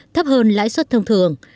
thấp hơn lãi suất thông thường